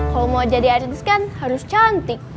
kalau mau jadi artis kan harus cantik